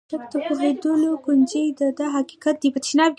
شک د پوهېدلو کونجۍ ده دا حقیقت دی.